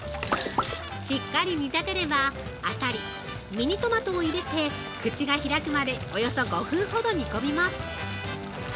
◆しっかり煮立てればアサリ、ミニトマトを入れて口が開くまでおよそ５分ほど煮込みます。